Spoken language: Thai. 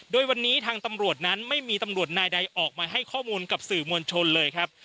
โดยวันนี้ทางตำรวจนั้นไม่มีตำรวจนายใดออกมาให้ข้อมูลกับสื่อมวลชนเลยครับ